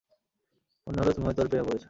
মনে হল তুমি হয়তো ওর প্রেমে পড়েছ।